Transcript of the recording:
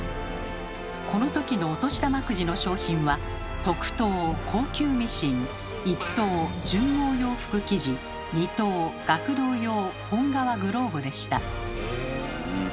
このときのお年玉くじの賞品は特等高級ミシン１等純毛洋服生地２等学童用本皮グローブでした。